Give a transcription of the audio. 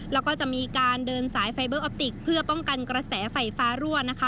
แล้วก็จะมีการเดินสายไฟเบอร์ออปติกเพื่อป้องกันกระแสไฟฟ้ารั่วนะคะ